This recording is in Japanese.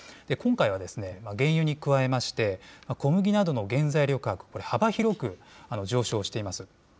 今回は原油に加えまして、小麦などの原材料価格、これ、幅広く上昇しています。